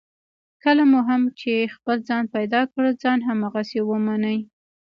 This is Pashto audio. کله مو هم چې خپل ځان پیدا کړ، ځان هماغسې ومنئ.